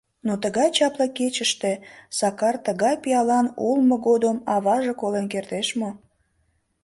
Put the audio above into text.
Но тыгай чапле кечыште, Сакар тыгай пиалан улмо годым аваже колен кертеш мо?